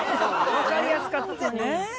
わかりやすかったのに。